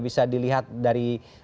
bisa dilihat dari